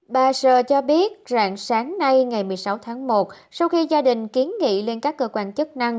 bà sơ cho biết rạng sáng nay ngày một mươi sáu tháng một sau khi gia đình kiến nghị lên các cơ quan chức năng